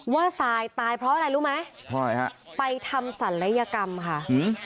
ว่าซายตายเพราะอะไรรู้ไหมรู้ไหมครับไปทำศัลยกรรมค่ะอืม